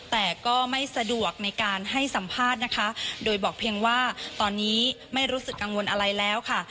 แต่ก็ไม่สะดวกในการให้สัมภาษณ์นะคะโดยบอกเพียงว่าตอนนี้ไม่รู้สึกกังวลอะไรแล้วค่ะ